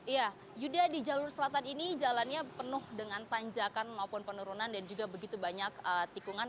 ya yuda di jalur selatan ini jalannya penuh dengan tanjakan maupun penurunan dan juga begitu banyak tikungan